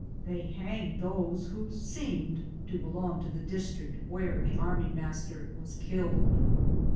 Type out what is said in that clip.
They hanged those who seemed to belong to the district where the army master was killed.